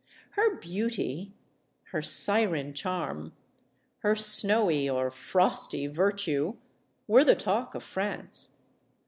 Her beauty, her siren charm, her snowy or frosty virtue were the talk of France.